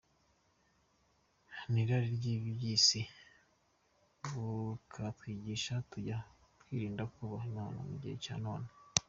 nirari ryibyisi, bukatwigisha kujya twirinda, twubaha Imana mugihe cya none.